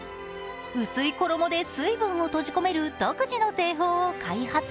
薄い衣で水分を閉じ込める独自の製法を開発。